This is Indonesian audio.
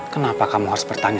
kenapa kamu harus bertanya